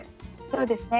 そうですね。